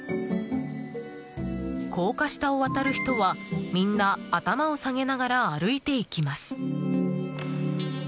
高架下を渡る人は、みんな頭を下げながら歩いていきます。